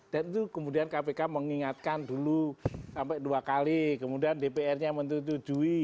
dan itu kemudian kpk mengingatkan dulu sampai dua kali kemudian dpr nya menetujui